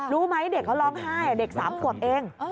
รู้ไหมเด็กเขาร้องไห้เด็ก๓ขวบเอง